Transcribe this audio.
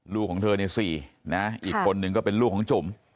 ลูกของเธอใน๔นะอีกคนนึงก็เป็นลูกของจุ๋ม